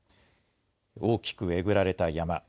大きくえぐられた山。